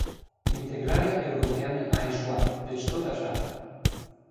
Integrarea europeană a eșuat, deci tot așa!